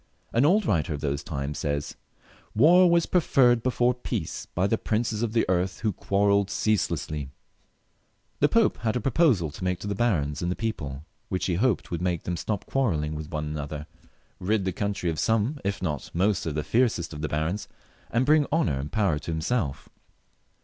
An old writer of those times says, " War was preferred before peace by the princes of the earth, who quarrelled ceaselessly." The Pope had a pro posal to make to the barons and people, which he hoped would make them stop quarrelling with one another, rid the country of some if not most of the fiercest of the barons, and briug honour and power to himself.